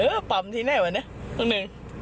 เออปั๊มทีแน่วะเนี่ยครั้งนึง